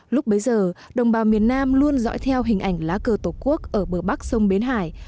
lúc bấy giờ đồng bào miền nam luôn dõi theo hình ảnh lá cờ tổ quốc ở bờ bắc sông bến hải